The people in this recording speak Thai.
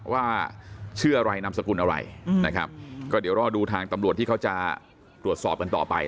ว่าเชื่ออะไรนำสกุลอะไรก็รอดูทางตำรวจที่เขาจะหลวดสอบกันต่อไป